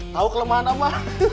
tahu kelemahan apa